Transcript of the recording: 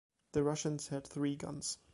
The Russians had three guns.